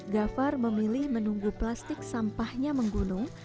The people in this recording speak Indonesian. gafar memilih menunggu plastik sampahnya menggunung